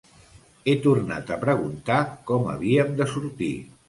He tornat a preguntar com havíem de sortir.